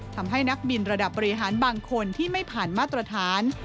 ทำให้นักบินระดับบริหารบางคนที่ไม่ผ่านมาตรฐาน